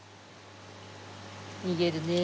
逃げるねえ。